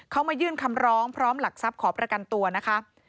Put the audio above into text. เขามายื่นคำร้องพร้อมหลักทรัพย์ขอประกันตัวนะคะ